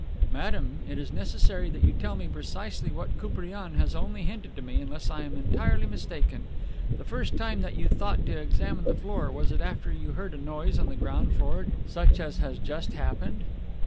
"Madame, it is necessary that you tell me precisely what Koupriane has only hinted to me, unless I am entirely mistaken. The first time that you thought to examine the floor, was it after you heard a noise on the ground floor such as has just happened?"